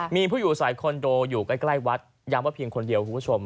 มีผู้อยู่สายคอนโดอยู่ใกล้วัดย้ำว่าเพียงคนเดียวคุณผู้ชม